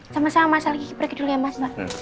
sama sama mas al kiki pergi dulu ya mas